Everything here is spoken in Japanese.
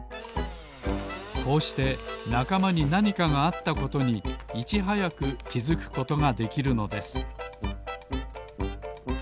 こうしてなかまになにかがあったことにいちはやくきづくことができるのです